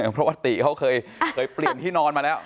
เพราะว่าติเขาเคยเปลี่ยนที่นอนมาแล้ว